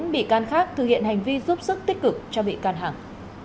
bốn bị can khác thực hiện hành vi giúp sức tích cực cho bị can hằng